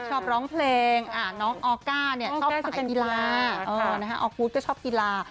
ชอบร้องเพลงน้องออก้าชอบสายกีฬาออกูธก็ชอบกีฬา